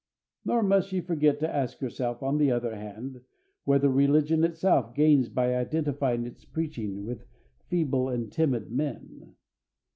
Nor must she forget to ask herself, on the other hand, whether religion itself gains by identifying its preaching with feeble and timid men.